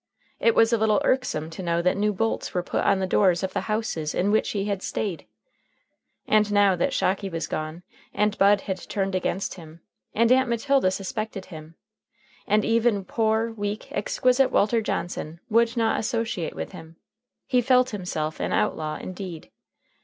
It was a little irksome to know that new bolts were put on the doors of the houses in which he had staid. And now that Shocky was gone, and Bud had turned against him, and Aunt Matilda suspected him, and even poor, weak, exquisite Walter Johnson would not associate with him, he felt himself an outlaw indeed.